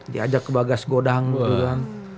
diajak ke bagas godang gitu kan